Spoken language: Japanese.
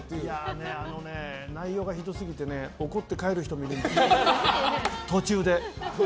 内容がひどすぎて怒って帰る人もいるんです途中で。